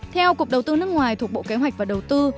theo cục đầu tư nước ngoài thuộc bộ kế hoạch và đầu tư